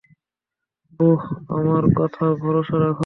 বোহ, আমার কথায় ভরসা রাখ।